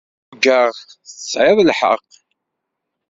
Ugaɣ tesɛid lḥeqq.